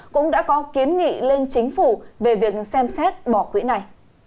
cũng đã có kiến nghị lên chính phủ về việc xem xét bỏ quỹ này